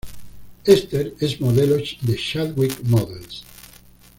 Esther es modelo de Chadwick Models.